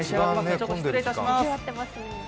失礼いたします。